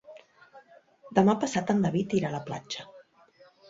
Demà passat en David irà a la platja.